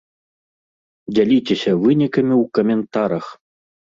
Дзяліцеся вынікамі ў каментарах!